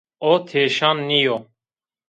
O têşan nîyo.